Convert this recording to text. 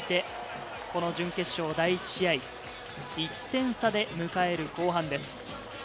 準決勝第１試合、１点差で迎える後半です。